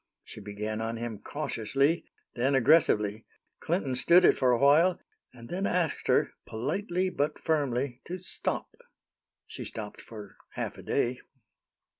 She began on him cautiously, then aggressively. Clinton stood it for a while, and then asked her, politely but firmly, to stop. She stopped for half a day.